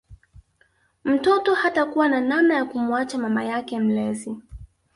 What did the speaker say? Mtoto hatakuwa na namna ya kumuacha mama yake mlezi